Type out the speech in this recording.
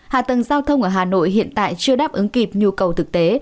hạ tầng giao thông ở hà nội hiện tại chưa đáp ứng kịp nhu cầu thực tế